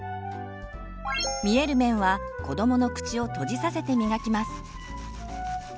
見える面は子どもの口を閉じさせてみがきます。